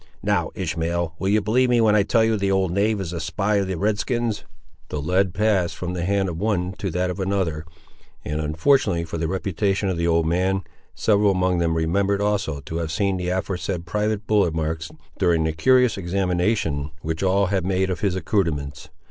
Now, Ishmael, will you believe me when I tell you the old knave is a spy of the red skins?" The lead passed from the hand of one to that of another, and unfortunately for the reputation of the old man, several among them remembered also to have seen the aforesaid private bullet marks, during the curious examination which all had made of his accoutrements.